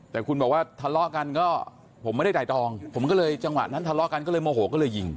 แต่คุณบอกว่าทะเลาะกันก็ผมไม่ได้จ่ายตองผมก็เลยจังหวะนั้นทะเลาะกันก็เลยโมโหก็เลยยิง